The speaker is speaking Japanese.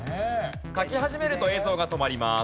書き始めると映像が止まります。